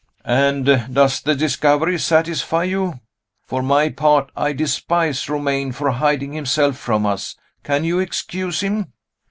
"And does the discovery satisfy you? For my part, I despise Romayne for hiding himself from us. Can you excuse him?"